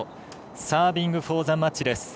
サービングフォーザマッチ。